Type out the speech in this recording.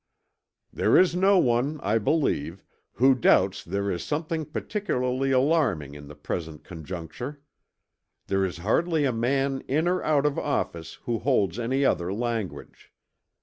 "There is no one, I believe, who doubts there is something particularly alarming in the present conjuncture. There is hardly a man in or out of office, who holds any other language.